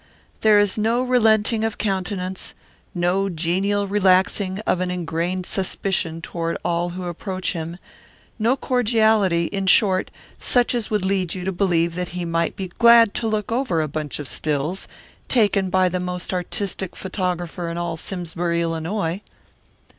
There is no relenting of countenance, no genial relaxing of an ingrained suspicion toward all who approach him, no cordiality, in short, such as would lead you to believe that he might be glad to look over a bunch of stills taken by the most artistic photographer in all Simsbury, Illinois.